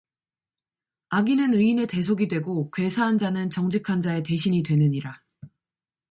악인은 의인의 대속이 되고 궤사한 자는 정직한 자의 대신이 되느니라